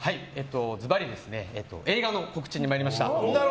ずばり映画の告知に参りました。